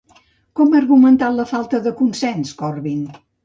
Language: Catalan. Com ha argumentat la falta de consens Corbyn?